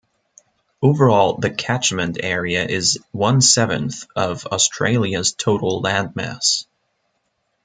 Overall the catchment area is one seventh of Australia's total land mass.